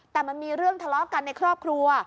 แต่มันมีเรื่องทะเลาะกันในครอบครัว